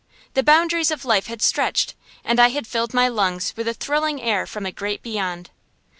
The boundaries of life had stretched, and I had filled my lungs with the thrilling air from a great Beyond.